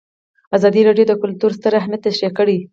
ازادي راډیو د کلتور ستر اهميت تشریح کړی.